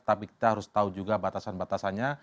tapi kita harus tahu juga batasan batasannya